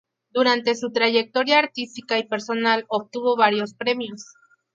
Durante su trayectoria artística y personal obtuvo varios premios.